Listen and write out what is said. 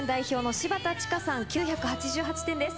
柴田千佳さん９８８点です。